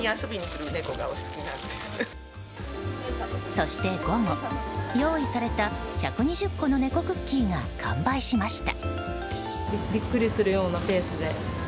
そして午後用意された１２０個の猫クッキーが完売しました。